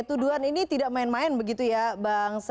tuduhan ini tidak main main begitu ya mbak nessa